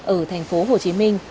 ở thành phố hồ chí minh